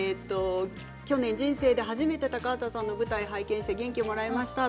去年、人生で初めて高畑さんの舞台を拝見して元気をもらいました。